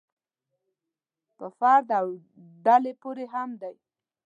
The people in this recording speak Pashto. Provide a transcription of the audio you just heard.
په فرد او ډلې پورې هم دی.